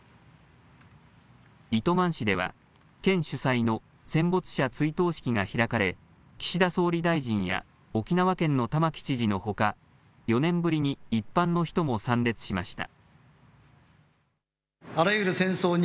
糸満市では県主催の戦没者追悼式が開かれ岸田総理大臣や沖縄県の玉城知事のほか４年ぶりに一般の人も参列しました。